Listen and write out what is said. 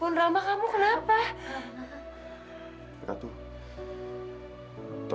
lama lagi ya